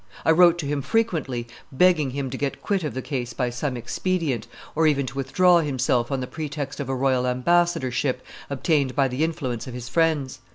I wrote to him frequently, begging him to get quit of the case by some expedient, or even to withdraw himself on the pretext of a royal ambassadorship obtained by the influence of his friends.